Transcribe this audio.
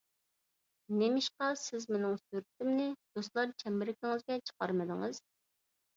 نېمىشقا سىز مىنىڭ سۈرىتىمنى دوستلار چەمبىرىكىڭىزگە چىقارمىدىڭىز؟